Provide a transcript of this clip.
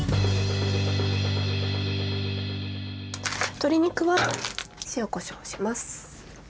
鶏肉は塩・こしょうします。